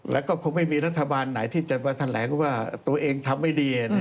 แล้วก็คงไม่มีรัฐบาลไหนที่จะมาแถลงว่าตัวเองทำไม่ดี